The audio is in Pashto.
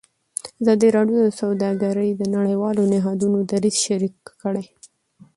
ازادي راډیو د سوداګري د نړیوالو نهادونو دریځ شریک کړی.